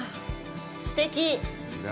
すてき。